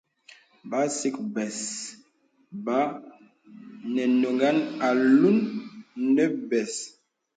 Bə̀sikwe bes bə̄ nə̀ nɔ̀ghaŋ alūn nə̀ bès.